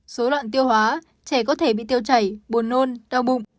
số loạn tiêu hóa trẻ có thể bị tiêu chảy buồn nôn đau bụng